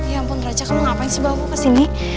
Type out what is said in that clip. ya ampun raja kamu ngapain sih bawa gue kesini